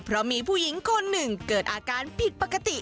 เพราะมีผู้หญิงคนหนึ่งเกิดอาการผิดปกติ